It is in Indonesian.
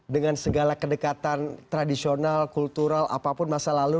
dengan segala kedekatan tradisional kultural apapun masa lalu